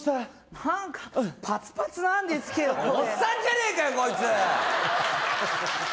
何かパツパツなんですけどこれおっさんじゃねえかよこいつ！